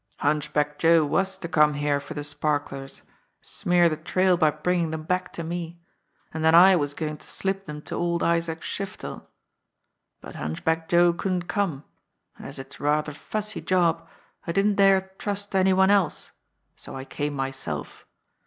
Hunchback Joe was to come here for the sparklers, smear the trail by bringing them back to me, and then I was going to slip them to old Isaac Shiftel. But Hunchback Joe couldn't come, and as it's a rather fussy job I didn't dare trust any one else, so I came myself.